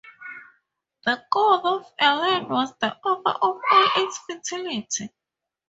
The god of a land was the author of all its fertility.